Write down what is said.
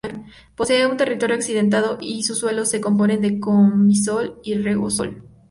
Posee un territorio accidentado y sus suelos se componen de cambisol y regosol.